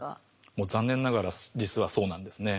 もう残念ながら実はそうなんですね。